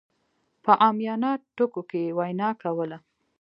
په عاميانه ټکو کې يې وينا کوله.